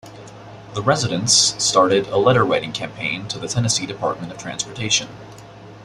The residents started a letter writing campaign to the Tennessee Department of Transportation.